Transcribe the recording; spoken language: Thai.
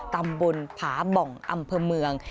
ตำบลผาบ่องอำเภอเมือง